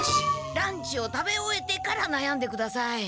ランチを食べ終えてからなやんでください。